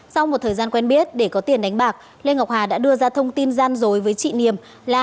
sau một thời gian quen biết để có tiền đánh bạc lê ngọc hà đã đưa ra thông tin gian dối với chị niềm là